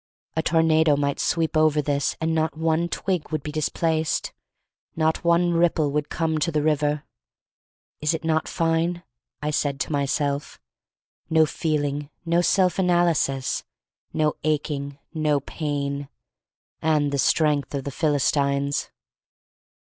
A tornado might sweep over this and not one twig would be dis placed, not one ripple would come to the river. Is it not fine! I said to my self. No feeling, no self analysis, no aching, no pain — and the strength of the Philistines.